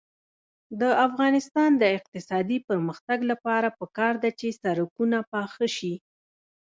د افغانستان د اقتصادي پرمختګ لپاره پکار ده چې سړکونه پاخه شي.